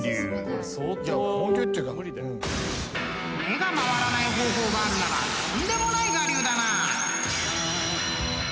［目が回らない方法があるならとんでもない我流だな］